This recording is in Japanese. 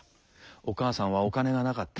お母さんはお金がなかった。